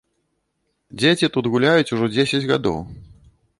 Дзеці тут гуляюць ужо дзесяць гадоў.